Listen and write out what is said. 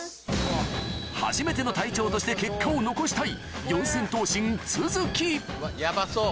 初めての隊長として結果を残したいヤバそう。